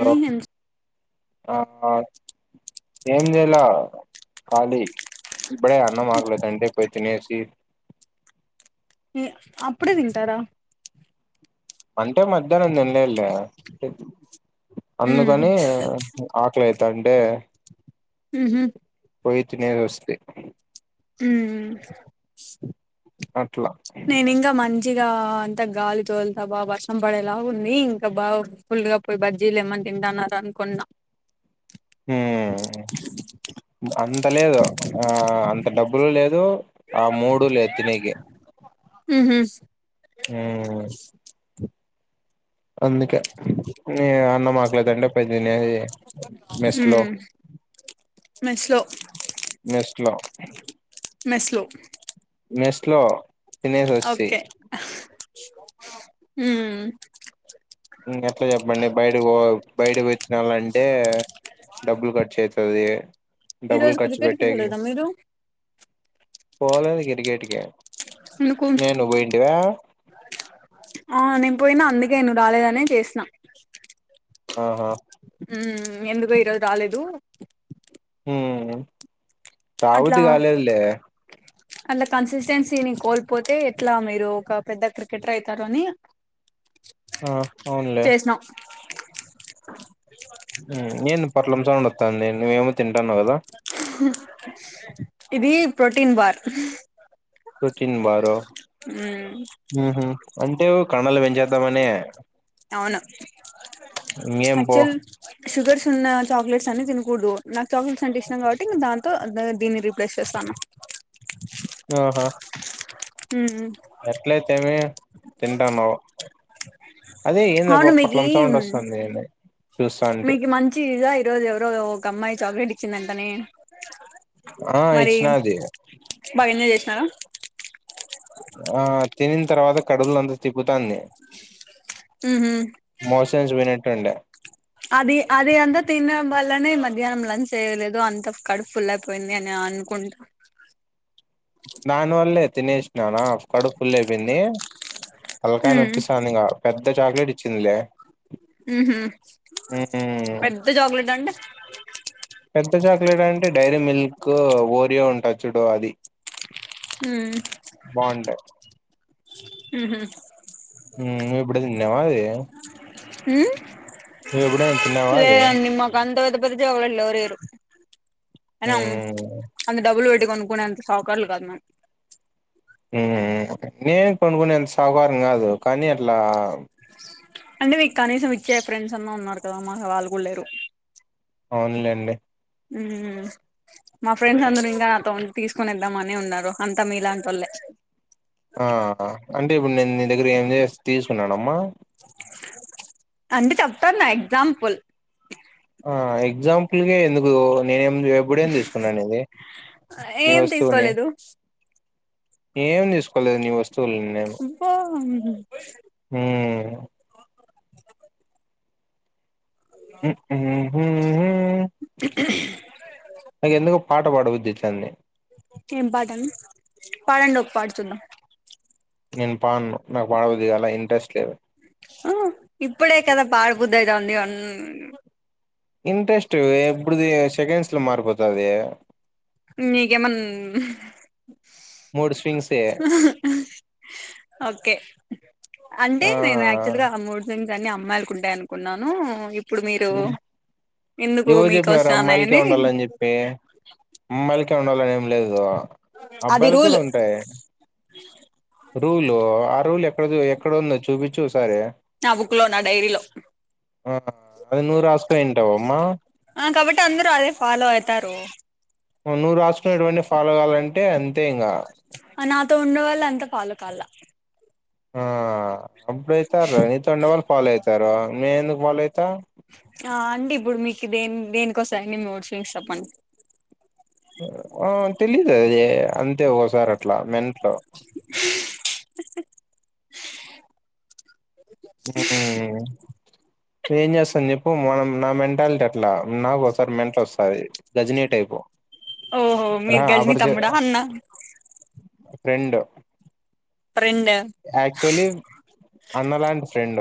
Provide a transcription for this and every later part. అన్ని హాలో ఆ ఏం చేయాల ఖాళీ ఇప్పుడే అన్నం ఆకలి అయితంటే పోయి తినేసి అప్పుడే తింటారా అంటే మధ్యాహ్నం తినల్లేళె అందుకని ఉహు ఆకలి అయితాంటే ఉహూ పోయి తినేది వస్తీ హ్మ్ అట్లా నేను ఇంకా మంచిగా అంత గాలి తోలుతా బాగా వర్షం పడేలా ఉంది ఇంకా బాగు ఫుల్గా పోయి బజ్జీలు ఏమనా తింటన్నారు అనుకునా హ్మ్ అంత లేదు ఆ అంత డబ్బులు లేదు ఆ మూడు లేదు తినేకి ఉహూ హ్మ్ అందుకే అన్నం ఆక్కలైతాంటే పోయి తినేది మెస్ లో మెస్ లో నెస్లో మెస్లో మెస్లో ఓకే మ్ ఎట్లా చెప్పండి బయటకు పో బయటకు వచ్చినాలంటే డబ్బులు ఖర్చు అయితాదీ ఈ డబ్బులు రోజు ఖర్చు క్రికెట్ కి పెట్టేకి పోలేదా మీరు పోలేది గటిగటిగా ఎందుకు నేనువ్ పోయింటివా ఆ నే పోయినా అందుకే నువ్వు రాలేదనే చేసినా ఆహా ఉ ఎందుగో ఇరోజు రాలేదూ ఊ రాబుద్ది కాలేదులే అలా కన్సిస్టెన్సీని కోల్పోతే ఎట్లా మీరు ఒక పెద్ద క్రికెటర్ అయితారని ఆ అవునులే ను ఏంది పొట్లంసౌండు వత్తాంది నువ్వేమో తింటున్నావు కదా ఇదీ ప్రోటీన్ బార్ ప్రొటీన్ బారు మ్మ్ అంటే కండలు పెంచేద్దామనే అవును ఇంకేం పో అక్చుల్ షుగర్స్ ఉన్న చాక్లెట్స్ అన్నీ తినకూడదు నాకు చాక్లెట్స్ అంటే ఇష్టం కావ్ట్ట్ దాంతో దీన్ని రీప్లేస్ చేస్తాను ఆ హా హ ఎట్లైతేమే తింటున్నావ్ అదే ఏంది అవును మీకి బొపొట్లంసౌండ్ వస్తోంది ఏంది చూస్తా అంటి మ ఇజా ఈరోజు ఎవరో ఒక అమ్మాయి చాక్లెట్ ఇచ్చిందంటనే ఆ మరీ ఇచ్చినాది బాగ ఎంజాయ్ చేసినావా ఆ తిన్నిన్ తర్వాత కడుపలో అంత తిప్పుతాంది మ్మ్ హ్మ్ మోషన్స్ పోయినటుండె అది అది అంతా తిండం వల్లనే మధ్యాహ్నం లంచ్ చేయలేదు అంత కడుప్ఫుల్ల పోయింది అని ఆనుకుంటా దాని వల్లే తినేష్ నానా కడుపు ఫుల్లైపోయింది తల్కాయ మ్మ్ నొప్పిస్తాందిక పెద్ద చాక్లెట్ ఇచ్చిందిలే హ మ్మ్ పెద్ద చాక్లెట్ అంటె పెద్ద చాక్లెట్ అంటే డైరీ మిల్క్ ఓరియో ఉంటాయి చుడు అది మ్ బాగుంటాయి హ నువ్ ఎప్పుడు తిన్నావ అది మ్ నువ్వు ఎప్పుడైనా తిన్నావా అది లేదండి మాక్ వంద వద్ద పెద్దజాగిలెట్లు ఎవ్వరీయరు అనా మ్మ్ అంత డబ్బులు పెట్టి కొనుక్కునేంత షావుకార్లు కాదు మమ్ నే నేను కొనుగునే అంత షావుకారిని కాదు కానీ అట్లా అంటే మీకు కనీసం ఇచ్చే ఫ్రెండ్స్ అన్నా ఉన్నారు కదా మాకు వాళు కూడా లేరు అవున్లేండి ఉ మా ఫ్రెండ్స్ అందరూ ఇంక నాతో తీసుకొనిద్దామనే ఉన్నారు అంతా మీలాంట వల్లే ఆ హ అంటే ఇప్పుడు నేను నీ దగ్గర ఏంజ్ చే తీసుకున్నానుమ్మా అంటే చెప్తునా ఎగ్జాంపుల్ ఆ ఎగ్జాంపుల్కే ఎందుకు నేనేం నీవి ఇప్పుడేం తీసుకున్న నీది నీ ఏం వస్తువుని తీసుకోలేదు ఏం తీసుకోలేదు నీ వస్తువుల్ని బో ఉమ్ ఉ నాకెందుకు పాట పాడ బుద్ధి అవుతాంది ఏం పాటండి పాడండి ఒక పాట చూద్దాం నేను పాడను నాకు పాడబుద్ధి కాలే ఇంట్రెస్ట్ లేవు ఆ ఇప్పుడే కదా పాడు బుద్ది అయితాందన్నావ్ ఇంట్రెస్ట్ ఎప్పుడుది సెకండ్స్ లో మారిపోతుంది నీకెమన్ మూడు స్వింగ్సే ఓకే అంటే ఆ నేను యాక్చువల్గా మూడు అన్ని అమ్మాయిలకి ఉంటాయి అనుకున్నాను ఇప్పుడు మీరు హ్మ్. ఎందుకు మీకు వస్తున్నాయని ఎప్పె అమ్మాయిలకె ఉండాలని ఏం లేదు అది అబ్బాయిలు రూల్ కూడా ఉంటాయి రూల్ ఆ రూల్ ఎక్కడ ఎక్కడ ఉందో చూపించు ఓసారి నా బుక్లో నా డైరిలో అది నువ్వు రాసుకోయింటావమ్మా ఆ కాబట్టి అందరు అదే ఫాలో అయితారు నువ్వు రాసుకున్నేటీవివన్నీ ఫాలో కావాలంటే అంతే ఇంకా నాతో ఉండేవాళ్ళు అంత ఫాలో కావాలి ఆ అప్పుడయితారు నీతో ఉండేవాళ్ళు ఫాలో అవుతారు మేం ఎందుకు ఫాలో అవుతాం ఆ అండి ఇప్పుడు మీకు దే దేనికోస్తాయండి అన్ని మూడు స్వింగ్స్ చెప్పండి ఆ తెలీదు అది అంతే ఒకసారి అట్లా మెంట్లు ఆ ఏం చేస్తాను చెప్పు మనం నా మెంటాలిటీ అట్లా నాకు ఒకసారి మెంటల్ వస్తుంది గజినీ టైపు ఓహో మీరు గజని ఆఫర్ తమ్ముడా అన్న రెండు రెండా ఆక్చుల్లీ అన్న లాంటి ఫ్రెండ్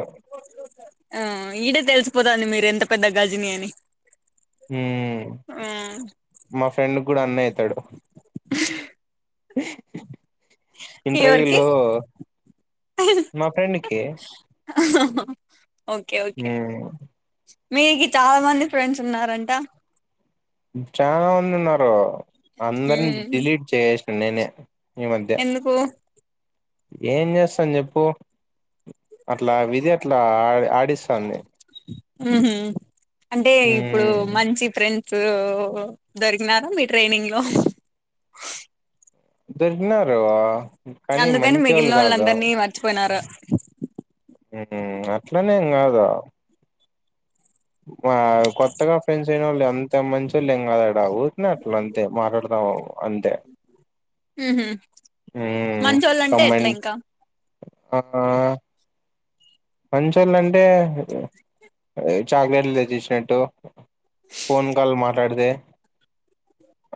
ఆ ఈడే తెలిసిపోతాదాంది మీరు ఎంత పెద్ద గజిని అని హు ఆ మా ఫ్రెండ్ కూడా అన్న అవుతాడు ఎవరికి ఇంటర్వ్యూలో మా ఫ్రెండ్కి ఓకే ఓకే మీకు చాలా మంది ఫ్రెండ్స్ ఉన్నారంట చాలా మంది ఉన్నారు అందరిని ఉమ్ డిలీట్ చేసేసిన నేనే ఈ మధ్య ఎందుకు ఏం చేస్తాం చెప్పు అట్లా విధి అట్లా ఆ ఆడిస్తాంది ఉహు అంటే ఇప్పుడు ఉమ్ మంచి ఫ్రెం డ్స్ దొరికిినారా మీ ట్రైనింగ్లో దొరికినారు కానీ అందుకని మంచోళ్ళు మిగిలినోళ్ళ కాదు అందరినీ మర్చిపోయినారు అట్లనేం కాదు వా కొత్తగా ఫ్రెండ్స్ వాళ్ళు ఎంత మంచోల్లెం కద యాడ ఉరికనే అట్ల అంతే మాట్లాడుతాం అంతే ఉహు ఏ మంచోళ్ళంటే ఎట్లా కంబైన్డ్ ఇంకా ఆ మంచోళ్ళు అంటే చాక్లెట్లు తెచ్చిచ్చినట్టు ఫోన్ కాల్ మాట్లాడితే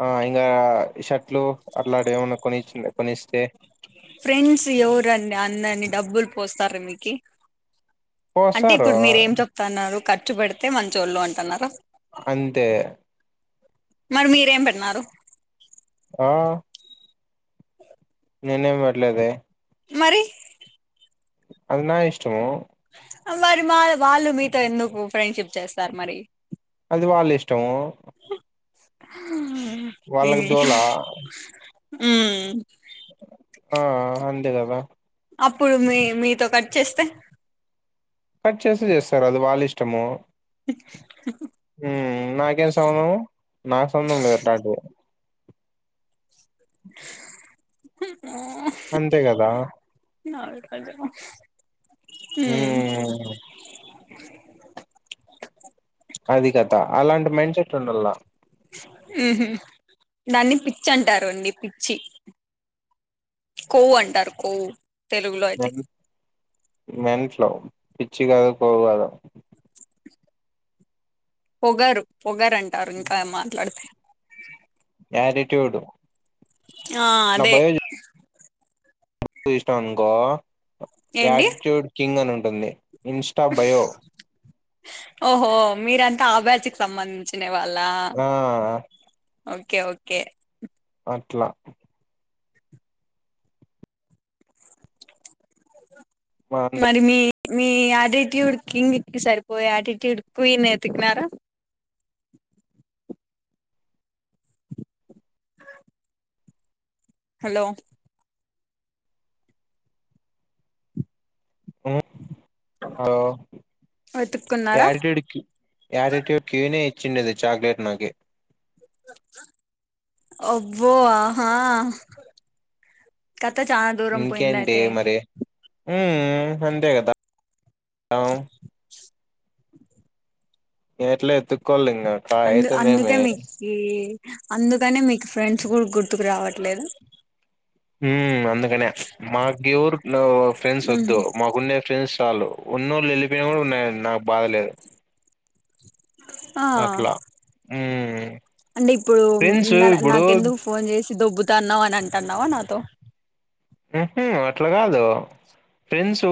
ఆ ఇంగా షర్ట్లు అట్లాంటి ఏమన్నా కొని కొనిస్తే ఫ్రెండ్స్ ఎవరండి అన్నన్ని డబ్బులు పోస్తారు మీకు అంటే పోస్తారు ఇప్పుడు మీరేం చెప్తన్నారు ఖర్చు పెడితే మంచోళ్ళు అంటన్నారా అంతే మరి మీరేం పెట్న్నారు ఆ నేనేం పెట్లేదే మరి అది నా ఇష్టము మరి మా వాళ్ళు మీతో ఎందుకు ఫ్రెండ్షిప్ చేస్తారు మరి అది వాళ్ళ ఇష్టము ఈ ఉమ్ వాళ్ళకి దోల ఆ అంతే కదా అప్పుడు మీ మీతో కట్ చేస్తే కట్ చేస్తే చేస్తారు అది వాళ్ళ ఇష్టము అ ఊ నాకేం సంబంధం నాకు సంబంధం లేదు అట్టమ్ టివి అంతే కదా కదా ఊ ఆ అది కత అలాంటి మైండ్ సెట్ ఉండల్లా ఉహు దాన్ని పిచ్చి అంటరండి పిచ్చి కొవ్వంటారు కొవ్వు తెలుగులో మె అయితే మెంట్లు పిచ్చి కాదు కోవు కాదు పొగరు పొగరు అంటారు ఇంకా మాట్లాడితే యాటిట్యూడు ఆ అదే యో చూసినవ్ అనుకో ఏంటి యాటిట్యూడ్ కింగ్ అని ఉంటుంది ఇన్స్టా బయో ఓహో మీరంతా ఆ బ్యాచ్ కి సంబంధించి వాళా ఆ ఓకే ఓకే అట్లా వ మరి మీ మీ ఆటిట్యూడ్ కింగ్కి సరిపోయే ఆటిట్యూడ్ క్వీన్ ఎతికినారా హలో ఉ హలో వెతుక్కున్నారా యాటిట్యూడ్ క్వీ యాటిట్యూడ్ క్వీనే ఇచ్చిండేది చాక్లెట్ నాకి అబ్బో ఆహా కత చాల దూరం పోయింది అయితే ఉమ్ అంతే కదా ఎట్ల ఎతుక్కోవాలి ఇంగా కా అయితుందేమి ఈ అందుకనే మీకు ఫ్రెండ్స్ గుడ గుర్తుకు రావట్లేదు. ఉమ్ అందకనేే మాగేవూర్ ఫ్రెండ్స్ వద్దు మాకున్నే ఫ్రెంస్ చాలు, ఉన్నోళ్ళు ఎళ్ళిపోయిన గుడ నే నాకు బాధలేదు. ఆ అట్లా ఉమ్ అంటే ఇప్పుడు ఫ్రెండ్స్ నా ఇప్పుడు నాకెందుకు ఫోన్ చేసి దొబ్బుతాన్నావని అంటున్నావా నాతో? ఉహు అట్ల కాదు ఫ్రెండ్సు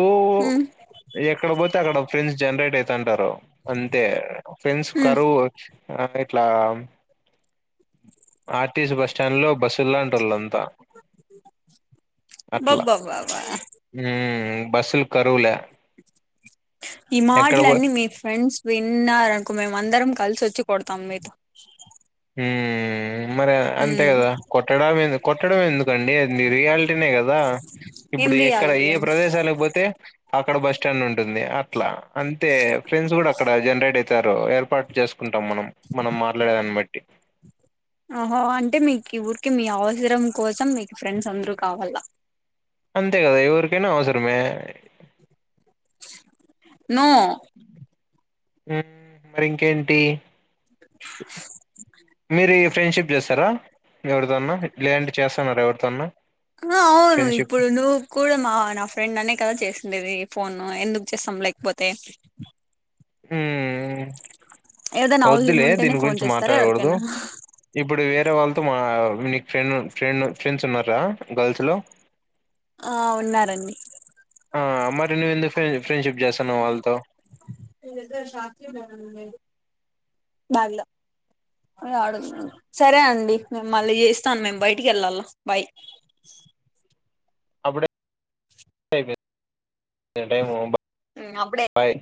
ఎక్కడ పోతే అక్కడ ఫ్రెండ్స్ జనరేట్ అయితాంటారు అంతే ఫ్రెండ్స్ కరువు ఆ ఇట్లా R T C bus stand లో బస్సు లాంటోళ్ళు అంతా బాబబ్బాబా ఉమ్ బస్సులు కరువులే ఈ ఎక్కడ మాటల పో అన్నీ మీ ఫ్రెండ్స్ విన్నారనుకో, మేమ అందరం కలిసి వచ్చి కొడతాం మీతో ఉమ్ మరి అంతే కదా కొట్ టడం ఏందు కొట్టడం ఎందుకండి అది నీ రియాలిటీనే కదా ఏం ఇప్పుడు ఎక్కడ రియాలిటీ ఏ అండి ప్రదేశాలకి పోతే, అక్కడ బస్ స్టాండ్ ఉంటుంది అట్లా. అంతే ఫ్రెండ్స్ కూడ అక్కడ జనరేట్ ఐతారు, ఏర్పాటు చేసుకుంటాం మనం, మనం మాట్లాడేదాన్ని బట్ కుట్టి ఆహో అంటే మీకి ఊరికి మీ అవసరం కోసం మీకు ఫ్రెండ్స్ అందరు కావ్వల అంతేకదా ఇవరికైనా అవసరమే. నో ఉమ్ మరి ఇంకేంటి మీరీ ఫ్రెండ్షిప్ చేస్తారా ఎవరితోన్నా, లేదంటే చేస్తున్నారా ఎవరితోన్నా? ఆ అవును ఫ్రెండ్షిప్ ఇప్పుడు నువ్ కూడా మా నా ఫ్రెండ్ నన్నే కవర్ చేసిండేది, ఫోన్ ఎందుకు చేస్తాం లేకపోతే ఉమ్ ఏదైనా అవసరం వద్దులే ఉంటేనే దీని ఫోన్ గురించి చేస్తారా మాట్లాడకూడదు. ఎవరికైనా ఇప్పుడు వేరే వాళ్ళతో మా నీకు ఫ్రెండ్ ఫ్రెండ్ ఫ్రెండ్స్ ఉన్నారా గర్ల్స్ లో? ఆ ఉన్నారండి ఆ మరి నువ్వు ఎందుకు ఫ్రెండ్ ఫ్రెండ్షిప్ చేస్తాన్నావు వాళ్ళతో? నీ దగ్గర [unintelligible] ఏమన్నా ఉన్నాయా బ్యాగ్ల ఏ అడుగు సరే అండి, మేం మళ్ళీ చేస్తాను మేము బయటికి ఎళ్ళాల బై అప్పుడే అయిపోయి టైము బా ఉమ్ అప్పుడే బాయ్